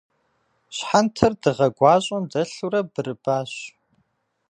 Щхьэнтэр дыгъэ гуащӏэм дэлъурэ бырыбащ.